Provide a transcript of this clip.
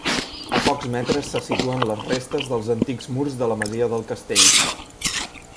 A pocs metres se situen les restes dels antics murs de la masia del castell.